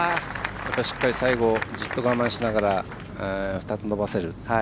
しっかり最後じっと我慢しながら２つ伸ばせる。